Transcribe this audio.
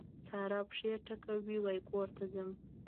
سارا پښې ټکوي؛ وای کور ته ځم.